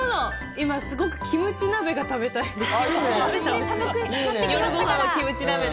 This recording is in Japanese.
今すごくキムチ鍋が食べたいです。